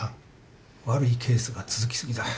悪いケースが続き過ぎだ。